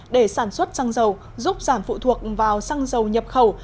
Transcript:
để sản xuất xăng dầu giúp giảm phụ thuộc vào xăng dầu nhập khẩu